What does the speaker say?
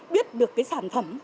biết được cái sản phẩm